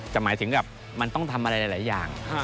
แต่หมายถึงกับมันต้องทำอะไรหลายอย่าง